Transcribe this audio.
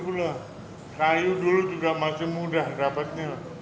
sebelum tahun dua ribu lah kayu dulu juga masih mudah dapatnya